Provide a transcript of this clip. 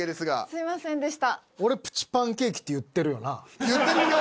すいませんでした。